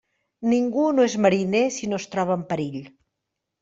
Ningú no és mariner si no es troba en perill.